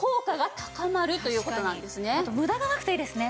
あと無駄がなくていいですね。